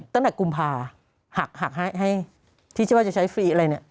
ตั้งแต่กุมภาฯหักให้ที่เชื่อว่าจะใช้ฟรีอะไรเนี่ย